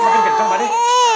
makin kacau pak d